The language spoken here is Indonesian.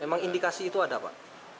emang indikasi itu ada pak